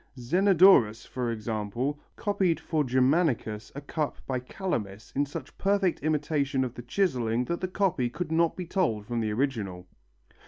Zenodorus, for example, copied for Germanicus a cup by Calamis in such perfect imitation of the chiselling that the copy could not be told from the original.